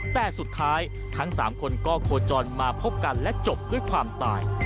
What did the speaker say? แต่สุดท้ายทั้ง๓คนก็โคจรมาพบกันและจบด้วยความตาย